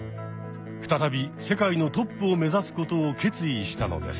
再び世界のトップをめざすことを決意したのです。